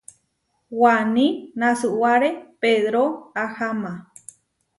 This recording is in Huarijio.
Waní nasuáre Pedró aháma.